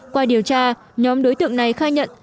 qua điều tra nhóm đối tượng này khai nhận